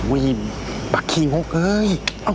โอ้ยปากขี้งกเฮ้ย